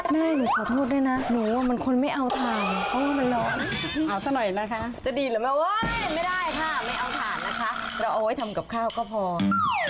แม่หนูขอโทษด้วยนะหนูว่ามันคนว่าไม่เอาถ่าน